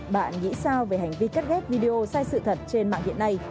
bạn nghĩ sao về hành vi cắt ghép video sai sự thật trên mạng hiện nay